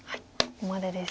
ここまでです。